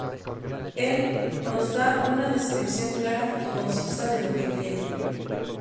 Él nos da una descripción clara y concisa de lo que quiere.